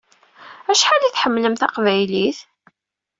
Acḥal i tḥemmlem taqbaylit?